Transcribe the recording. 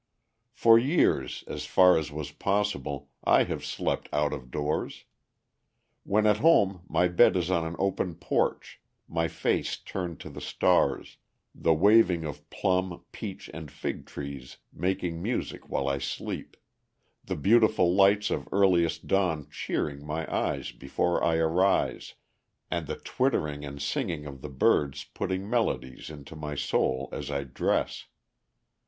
For years, as far as was possible, I have slept out of doors. When at home my bed is on an open porch, my face turned to the stars, the waving of plum, peach, and fig trees making music while I sleep, the beautiful lights of earliest dawn cheering my eyes before I arise, and the twittering and singing of the birds putting melodies into my soul as I dress.